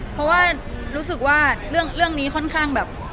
เพราะว่ารู้สึกว่าเรื่องนี้ค่อนข้างแบบ